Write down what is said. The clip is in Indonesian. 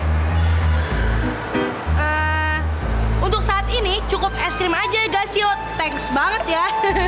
eh untuk saat ini cukup es krim aja ya belas yuk thanks banget ya